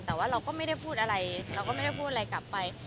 แต่ว่าเราก็ไม่ได้พูดอะไรกลับไป